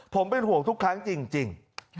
ผมเป็นห่วงทุกครั้งจริง